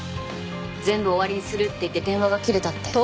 全部終わりにするって言って電話が切れたって。